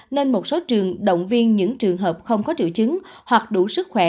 nên một số trường động viên những trường hợp không có triệu chứng hoặc đủ sức khỏe